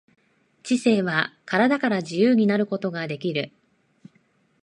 知性は身体から自由になることができる。